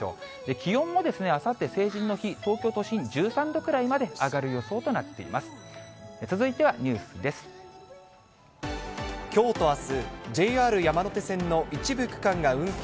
気温も、あさって成人の日、東京都心、１３度くらいまで上がる予想となっています。